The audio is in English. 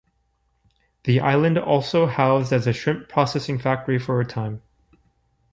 The island also housed as a shrimp processing factory for a time.